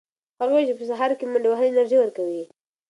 هغه وویل چې په سهار کې منډې وهل انرژي ورکوي.